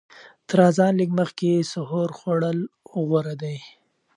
تر اذان لږ مخکې سحور خوړل غوره دي.